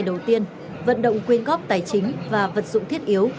đầu tiên vận động quyên góp tài chính và vật dụng thiết yếu